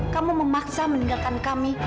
kamu memaksa meninggalkan kami